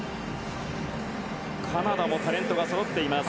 カナダもタレントがそろっています。